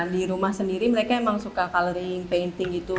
di rumah sendiri mereka emang suka coloring painting gitu